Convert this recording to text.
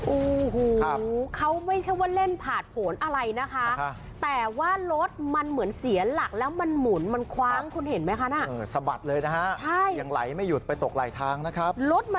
อู้หูเขาไม่ใช่ว่าเล่นผ่าผลอะไรนะคะแต่ว่ารถมันเหมือนเสียหลักแล้วมันหมุนมันคว้างคุณเห็นไหมคะน่ะสะบัดเลยนะฮะใช่ยังไหลไม่หยุดไปตกหลายทางนะครับรถมา